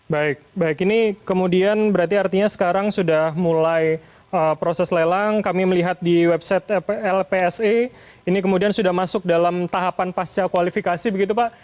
baik baik ini kemudian berarti artinya sekarang sudah mulai proses lelang kami melihat di website lpse ini kemudian sudah masuk dalam tahapan pasca kualifikasi begitu pak